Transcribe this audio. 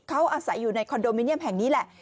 เขาอาศัยอยู่ในคอนโดมิเนียมแห่งนี้แหละ